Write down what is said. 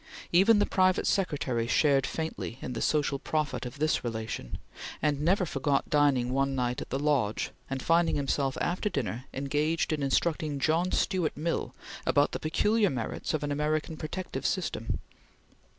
Even the private secretary shared faintly in the social profit of this relation, and never forgot dining one night at the Lodge, and finding himself after dinner engaged in instructing John Stuart Mill about the peculiar merits of an American protective system.